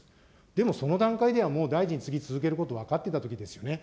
でもその段階ではもう大臣は次ぎ続けること分かってたときですよね。